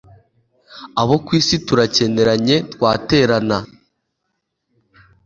abo ku isi turakeneranye, twaterana